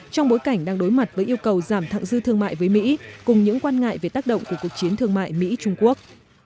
trong bối cảnh đang đối mặt với yêu cầu giảm thẳng dư thương mại với mỹ cùng những quan ngại về tác động của cuộc chiến thương mại mỹ trung quốc